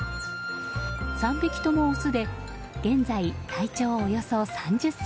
３匹ともオスで現在、体長およそ３０ｃｍ。